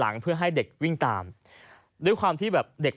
นี่ไง